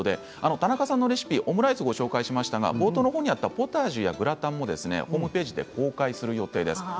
田中さんのレシピオムライスをご紹介しましたがポタージュやグラタンもホームページで公開する予定です。